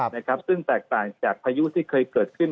นะครับซึ่งแตกต่างจากพายุที่เคยเกิดขึ้น